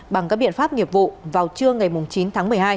bằng các biện pháp nghiệp vụ vào trưa ngày chín tháng một mươi hai